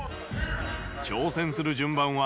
挑戦する順番は。